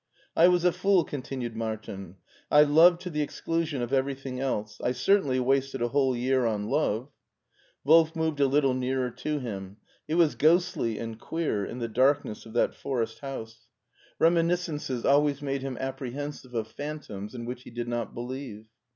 " I was a fool," continued Martin ;" I loved to the exclusion of everything else : I certainly wasted a whole year on love." Wolf moved a little nearer to him; it was ghostly and queer in the darkness of that forest house. Remi . SCHWARZWALD 267 \ niscences always made him apprehensive of phantoms in which he did not believe.